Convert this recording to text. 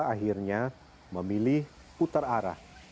akhirnya memilih putar arah